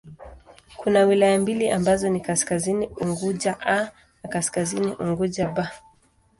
Kuna wilaya mbili ambazo ni Kaskazini Unguja 'A' na Kaskazini Unguja 'B'.